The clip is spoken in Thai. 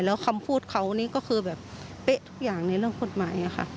แล้วคำพูดเขานี่ก็คือแบบเป๊ะทุกอย่างในเรื่องกฎหมายค่ะ